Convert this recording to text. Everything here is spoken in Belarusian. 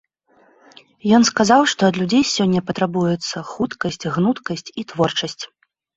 Ён сказаў, што ад людзей сёння патрабуецца хуткасць, гнуткасць і творчасць.